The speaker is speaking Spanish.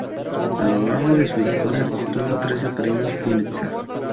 A lo largo de su historia, obtuvo trece Premios Pulitzer.